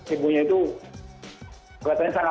ibunya itu kelihatannya sangat